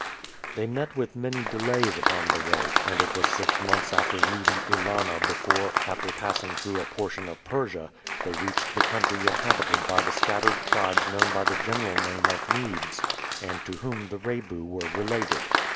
They met with many delays upon the way, and it was six months after leaving Ælana before, after passing through a portion of Persia, they reached the country inhabited by the scattered tribes known by the general name of Medes, and to whom the Rebu were related.